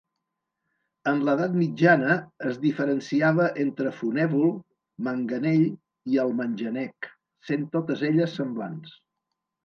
En l'edat mitjana es diferenciava entre fonèvol, manganell i almanjanec, sent totes elles semblants.